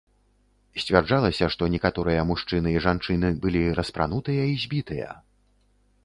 Сцвярджалася, што некаторыя мужчыны і жанчыны былі распранутыя і збітыя.